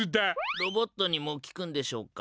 ロボットにもきくんでしょうか？